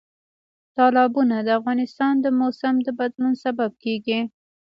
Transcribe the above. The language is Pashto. تالابونه د افغانستان د موسم د بدلون سبب کېږي.